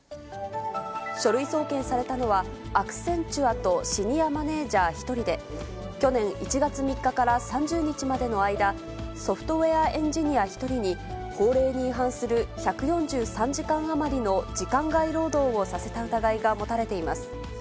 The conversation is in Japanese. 書類送検されたのは、アクセンチュアとシニアマネージャー１人で、去年１月３日から３０日までの間、ソフトウエアエンジニア１人に、法令に違反する１４３時間余りの時間外労働をさせた疑いが持たれています。